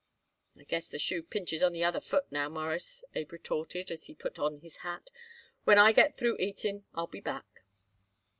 "I guess the shoe pinches on the other foot now, Mawruss," Abe retorted as he put on his hat. "When I get through eating I'll be back."